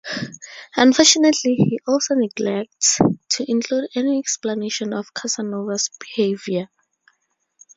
Unfortunately, he also neglects to include any explanation of Casanova's behavior.